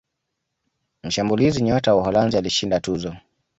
mshambulizi nyota wa uholanzi alishinda tuzo